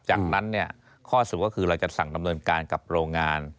จากนั้นข้อสุดก็คือเราจะสั่งดำเนินการกับโรงงาน